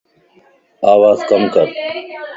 آواز ڪَم ڪر